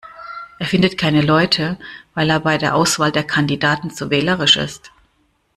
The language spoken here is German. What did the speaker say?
Er findet keine Leute, weil er bei der Auswahl der Kandidaten zu wählerisch ist.